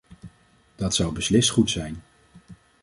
Dat zou beslist goed zijn.